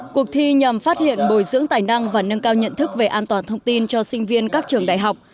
cuộc thi nhằm phát hiện bồi dưỡng tài năng và nâng cao nhận thức về an toàn thông tin cho sinh viên các trường đại học